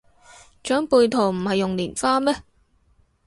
長輩圖唔係用蓮花咩